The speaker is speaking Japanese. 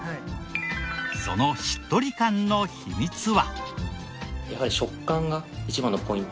そのしっとり感の秘密は？